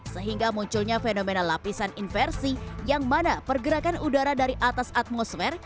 sehingga munculnya fenomena lapisan inversi yang mana pergerakan udara dari atas atmosfer